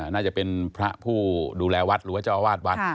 น่าจะเป็นพระผู้ดูแลวัดหรือว่าเจ้าอาวาสวัด